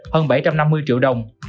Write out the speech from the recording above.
hơn bảy trăm năm mươi triệu đồng